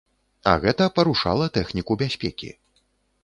А гэта парушала тэхніку бяспекі.